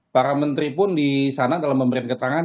para menteri pun di sana dalam memberikan keterangan